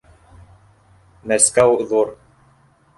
Мәскәү ҙур...